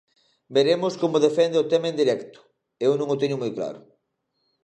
Veremos como defende o tema en directo, eu non o teño moi claro.